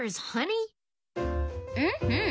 うんうん。